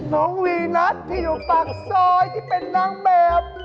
น้องวีนัทที่อยู่ปากซอยที่เป็นนางแบบ